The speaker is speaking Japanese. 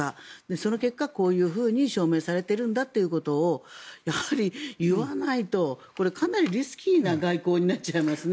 その結果、こういうふうに証明されているんだということをやはり言わないとこれ、かなりリスキーな外交になっちゃいますね。